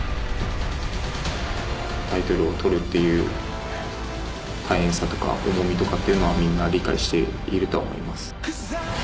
タイトルを取るという大変さとか重みとかというのはみんな理解していると思います。